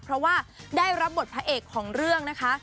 เพราะว่าได้รับบทพระเอกของเรื่องนะคะ